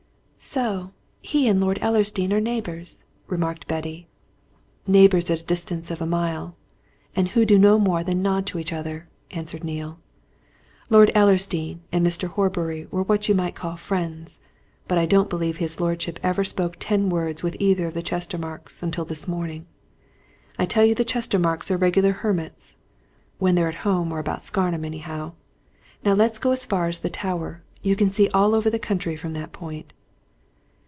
"So he and Lord Ellersdeane are neighbours!" remarked Betty. "Neighbours at a distance of a mile and who do no more than nod to each other," answered Neale. "Lord Ellersdeane and Mr. Horbury were what you might call friends, but I don't believe his lordship ever spoke ten words with either of the Chestermarkes until this morning. I tell you the Chestermarkes are regular hermits! when they're at home or about Scarnham, anyhow. Now let's go as far as the Tower you can see all over the country from that point."